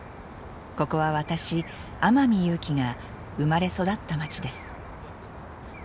ここは私天海祐希が生まれ育った町です。